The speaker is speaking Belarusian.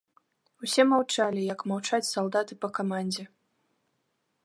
Усе маўчалі, як маўчаць салдаты па камандзе.